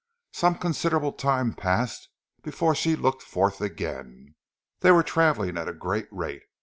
Some considerable time passed before she looked forth again. They were travelling at a great rate.